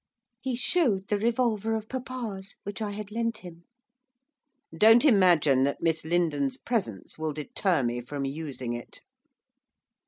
He showed the revolver of papa's which I had lent him. 'Don't imagine that Miss Lindon's presence will deter me from using it.